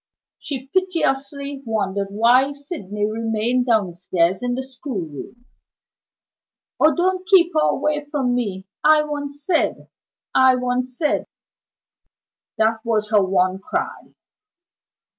She piteously wondered why Sydney remained downstairs in the schoolroom. "Oh, don't keep her away from me! I want Syd! I want Syd!" That was her one cry.